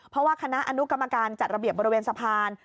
เพราะว่าคณะอนุกรรมการจัดระเบียบบริเวณสะพาน